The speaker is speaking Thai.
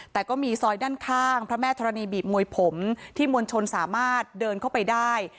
แต่ก็มีซอยด้านข้างพระแม่ธรณีบีบมวยผมที่มวลชนสามารถเดินเข้าไปได้